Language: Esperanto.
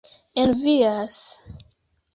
envias